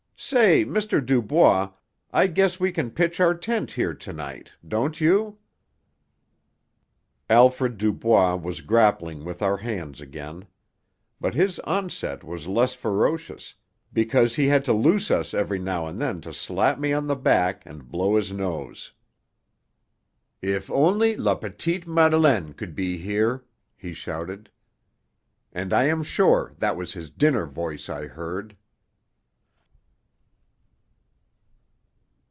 "Say, Mr. Dubois, I guess we can pitch our tent here to night don't you?" Alfred Dubois was grappling with our hands again; but his onset was less ferocious, because he had to loose us every now and then to slap me on the back and blow his nose. "If only la petite Madeleine could be here!" he shouted. And I am sure that was his dinner voice I heard.